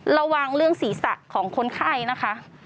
ระวังเรื่องศีรษะของคนไข้นะคะ